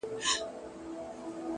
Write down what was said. o ځکه چي ماته يې زړگی ويلی ـ